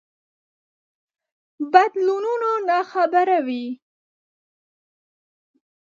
بدلونونو ناخبره وي.